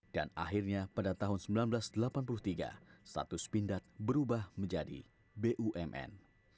dan akhirnya pada tahun seribu sembilan ratus delapan puluh tiga status pindad berubah menjadi bumn